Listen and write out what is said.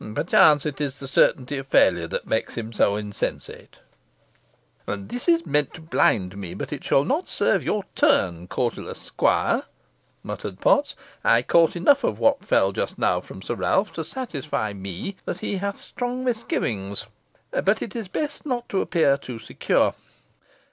Perchance, it is the certainty of failure that makes him so insensate." "This is meant to blind me, but it shall not serve your turn, cautelous squire," muttered Potts; "I caught enough of what fell just now from Sir Ralph to satisfy me that he hath strong misgivings. But it is best not to appear too secure.